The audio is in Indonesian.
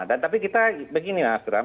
dan tapi kita begini mas ram